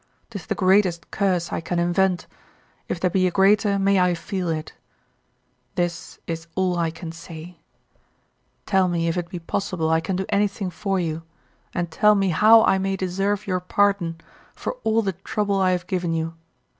'Tis the greatest curse I can invent; if there be a greater, may I feel it. This is all I can say. Tell me if it be possible I can do anything for you, and tell me how I may deserve your pardon for all the trouble I have given you.